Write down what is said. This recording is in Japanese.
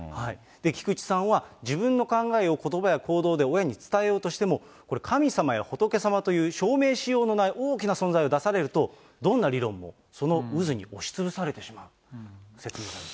菊池さんは、自分の考えをことばや行動で親に伝えようとしても、これ、神様や仏様という証明しようのない大きな存在を出されると、どんな理論もその渦に押しつぶされてしまう。